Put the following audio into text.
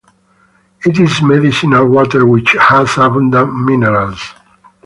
It is medicinal water which has abundant minerals.